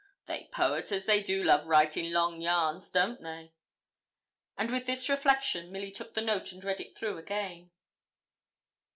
They poeters, they do love writing long yarns don't they?' And with this reflection, Milly took the note and read it through again.